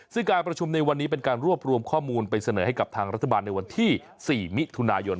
ซึ่งการประชุมในวันนี้เป็นการรวบรวมข้อมูลไปเสนอให้กับทางรัฐบาลในวันที่๔มิถุนายน